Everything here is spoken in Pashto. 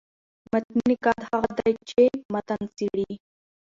متني نقاد هغه دﺉ، چي متن څېړي.